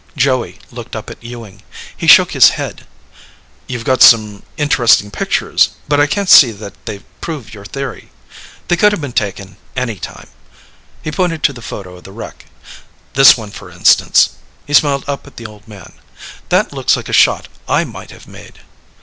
Joey looked up at Ewing. He shook his head. "You've got some interesting pictures, but I can't see that they prove your theory. They could have been taken any time." He pointed to the photo of the wreck. "This one, for instance." He smiled up at the old man. "That looks like a shot I might have made."